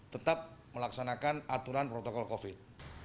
tetap melaksanakan aturan protokol covid